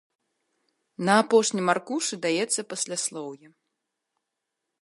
На апошнім аркушы даецца пасляслоўе.